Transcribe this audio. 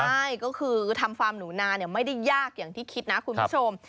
ใช่ก็คือทำฟาร์มหนูนาไม่ได้ยากอย่างที่คิดนะคุณผู้ชม